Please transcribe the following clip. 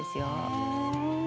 へえ。